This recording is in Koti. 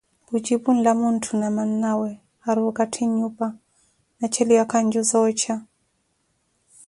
Khujipu nlamwantthu na mannawe ari okatthi nnyupa, na cheliwa kanju za oocha.